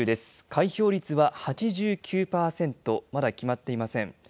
開票率は８９％、まだ決まっていません。